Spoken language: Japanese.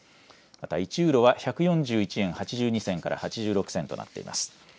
また１ユーロは１４１円８２銭から８６銭となっています。